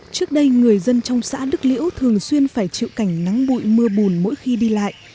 trước đây người dân trong xã đức liễu thường xuyên phải chịu cảnh nắng bụi mưa bùn mỗi khi đi lại